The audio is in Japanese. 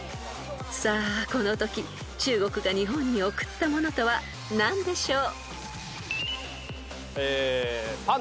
［さあこのとき中国が日本に贈ったものとは何でしょう？］